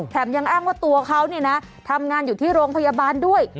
ยังอ้างว่าตัวเขาเนี่ยนะทำงานอยู่ที่โรงพยาบาลด้วย